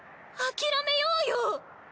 あきらめようよ！